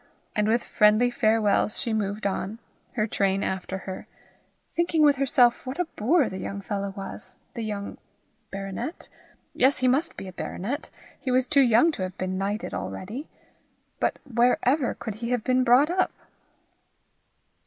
And with friendly farewells, she moved on, her train after her, thinking with herself what a boor the young fellow was the young baronet? Yes, he must be a baronet; he was too young to have been knighted already. But where ever could he have been brought up?